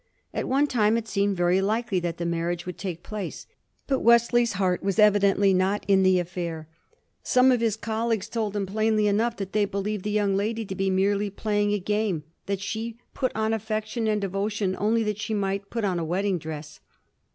At one time it seemed very likely that the marriage would take place, but Wes ley's heart was evidently not in the affair. Some of his colleagues told him plainly enough that they believed the young lady to be merely playing a game, that she put on affection and devotion only that she might put on a wed ding dress.